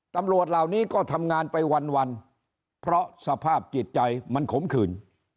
ตำรวจเหล่านี้ก็ทำงานไปวันเพราะสภาพจิตใจมันขมขื่น